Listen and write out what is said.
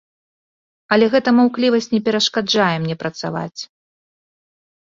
Але гэта маўклівасць не перашкаджае мне працаваць.